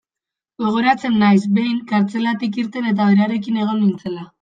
Gogoratzen naiz, behin, kartzelatik irten eta berarekin egon nintzela.